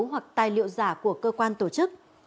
hoặc tài liệu giả của cơ quan tổ chức